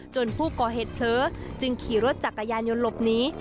จนผู้ก่อเหตุเพลิกจึงขี่รถจากกายานยนต์หลบนี้